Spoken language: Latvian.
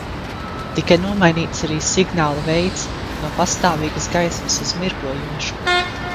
Tika nomainīts arī signāla veids, no pastāvīgas gaismas uz mirgojošu.